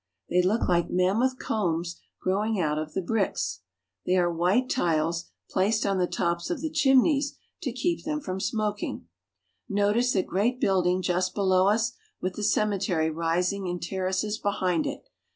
They look like mam GLASGOW AND THE CLYDE. 39 moth combs growing out of the bricks ; they are white tiles, placed on the tops of the chimneys to keep them from smoking. Notice that great building just below us, with the ceme tery rising in terraces behind it.